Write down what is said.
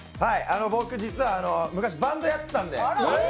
僕、実は昔、バンドやってたんで。